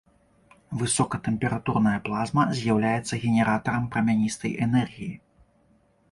Высокатэмпературная плазма з'яўляецца генератарам прамяністай энергіі.